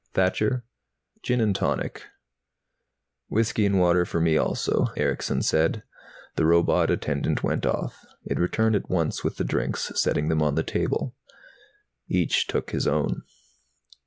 "Thacher?" "Gin and tonic." "Whiskey and water for me, also," Erickson said. The robot attendant went off. It returned at once with the drinks, setting them on the table. Each took his own.